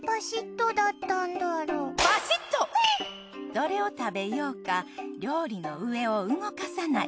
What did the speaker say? どれを食べようか料理の上を動かさない。